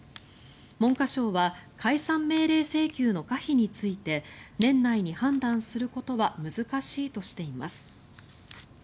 文科省は解散命令請求の可否について年内に判断することは難しいとしています。